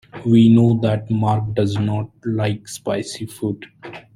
We know that Mark does not like spicy food.